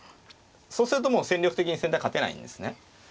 そうするともう戦力的に先手は勝てないんですね。